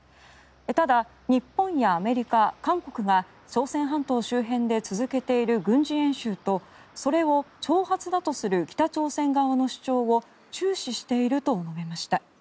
ただ、日本やアメリカ、韓国は朝鮮半島周辺で続けている軍事演習とそれを挑発だとする北朝鮮側の主張を注視していると述べました。